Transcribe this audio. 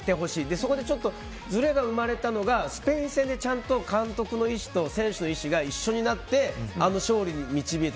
そこでちょっとずれが生まれたのがスペイン戦でちゃんと監督の意思と選手の意思が一緒になってあの勝利に導いた。